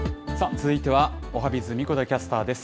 続いてはおはＢｉｚ、神子田キャスターです。